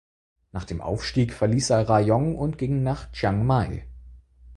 Nach dem Aufstieg verließ er Rayong und ging nach Chiang Mai.